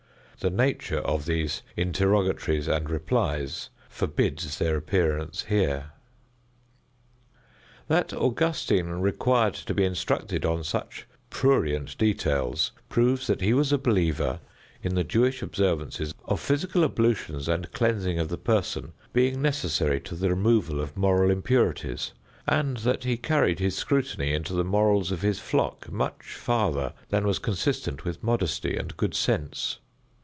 The nature of these interrogatories and replies forbids their appearance here. That Augustine required to be instructed on such prurient details proves that he was a believer in the Jewish observances of physical ablutions and cleansing of the person being necessary to the removal of moral impurities, and that he carried his scrutiny into the morals of his flock much farther than was consistent with modesty and good sense.